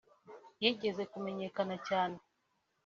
yigeze kumenyekana cyera